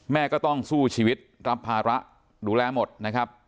แม่ก็ต้องสู้ชีวิตรับภาระดูแลหมดนะครับ